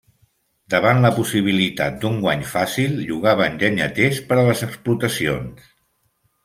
Davant la possibilitat d'un guany fàcil, llogaven llenyaters per a les explotacions.